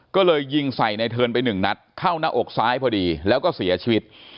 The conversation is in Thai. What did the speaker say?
ก็เลยยิงใส่ในเทิร์นไปหนึ่งนัดเข้าหน้าอกซ้ายพอดีแล้วก็เสียชีวิต